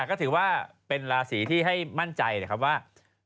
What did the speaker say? ก็ถือว่าเป็นราศีที่ให้มั่นใจนะครับว่า